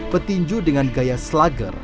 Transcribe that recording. petinju dengan gaya slager